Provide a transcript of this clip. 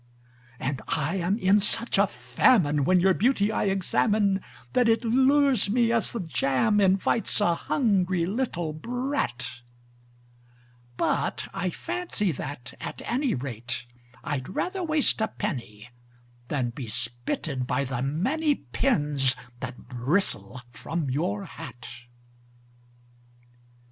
And I am in such a famine when your beauty I examine That it lures me as the jam invites a hungry little brat; But I fancy that, at any rate, I'd rather waste a penny Than be spitted by the many pins that bristle from your hat.